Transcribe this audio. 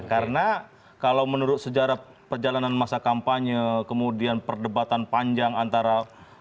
karena kalau menurut sejarah perjalanan masa kampanye kemudian perdebatan panjang antara